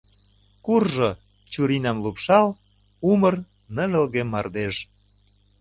Куржо, чурийнам лупшал, Умыр, ныжылге мардеж.